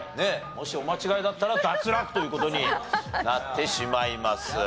もしお間違えだったら脱落という事になってしまいます。